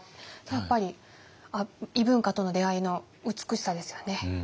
やっぱり異文化との出会いの美しさですよね。